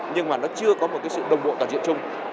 nhưng mà nó chưa có một sự đồng bộ toàn diện chung